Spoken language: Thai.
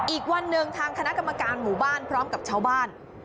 อีกวันหนึ่งทางคณะกรรมการหมู่บ้านพร้อมกับชาวบ้าน